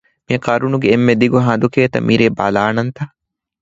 މި ގަރުނުގެ އެންމެ ދިގު ހަނދު ކޭތަ މިރޭ، ބަލާނަންތަ؟